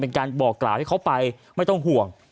การบอกกล่าวให้เขาไปไม่ต้องห่วง